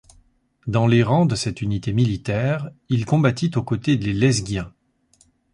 Dans les rangs de cette unité militaire il combattit aux côtés des Lezghiens.